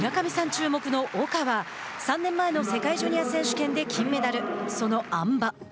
注目の岡は３年前の世界ジュニア選手権で金メダル。